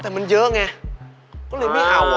แต่มันเยอะไงก็เลยไม่เอา